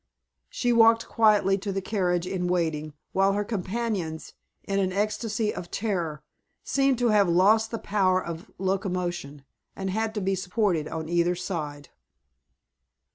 She walked quietly to the carriage in waiting, while her companions, in an ecstasy of terror, seemed to have lost the power of locomotion, and had to be supported on either side.